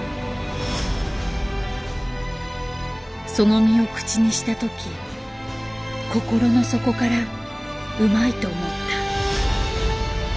その身を口にしたとき心の底からうまいと思った。